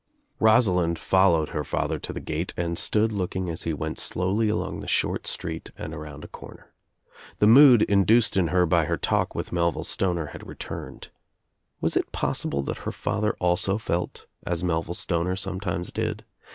Rosalind followed her father to the gate and stood looking as he went slowly along the short street and around a corner. The mood induced in her by her talk with Melville Stoner had returned. Was it pos sible that her father also felt as Melville Stoner some times did?